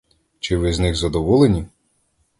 Чи ви з них задоволені?